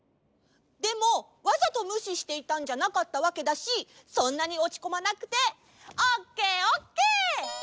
でもわざとむししていたんじゃなかったわけだしそんなにおちこまなくてオッケーオッケー！